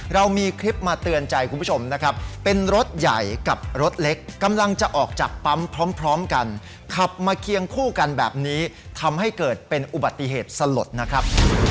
เรามีคลิปมาเตือนใจคุณผู้ชมนะครับเป็นรถใหญ่กับรถเล็กกำลังจะออกจากปั๊มพร้อมกันขับมาเคียงคู่กันแบบนี้ทำให้เกิดเป็นอุบัติเหตุสลดนะครับ